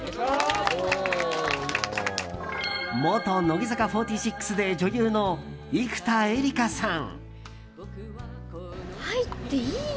元乃木坂４６で女優の生田絵梨花さん。